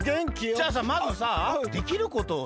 じゃあさまずさできることをさ